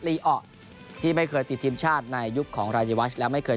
ลีอะที่ไม่เคยติดทีมชาติในยุคของรายวัชและไม่เคย